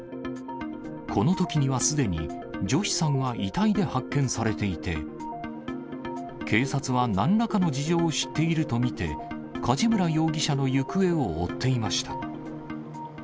このときにはすでに、ジョシさんは遺体で発見されていて、警察はなんらかの事情を知っていると見て、梶村容疑者の行方を追っていました。